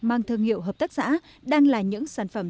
mang thương hiệu hợp tác xã đang là những sản phẩm